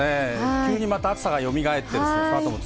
急にまた暑さがよみがえってきました。